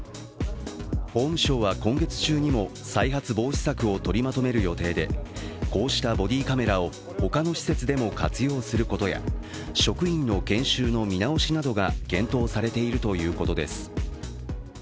法務省は今月中にも再発防止策を取りまとめる予定でこうしたボディーカメラを、他の施設でも活用することや職員の研修の見直しなどが検討されているということです。